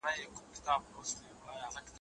هغه وویل چې کار مهم دی؟